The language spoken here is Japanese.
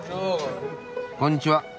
こんにちは。